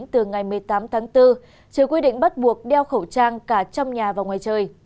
từ ngày một mươi tám tháng bốn trừ quy định bắt buộc đeo khẩu trang cả trong nhà và ngoài trời